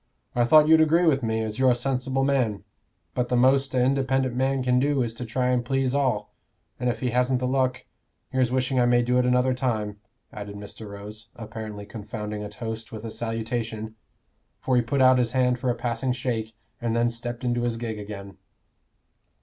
"I thought you'd agree with me, as you're a sensible man. But the most a independent man can do is to try and please all; and if he hasn't the luck here's wishing I may do it another time," added Mr. Rose, apparently confounding a toast with a salutation, for he put out his hand for a passing shake, and then stepped into his gig again.